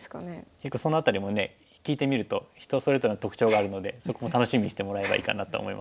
結構その辺りもね聞いてみると人それぞれの特徴があるのでそこも楽しみにしてもらえればいいかなと思います。